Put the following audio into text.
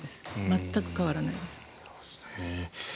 全く変わらないんです。